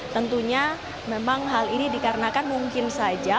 tentunya memang hal ini dikarenakan mungkin saja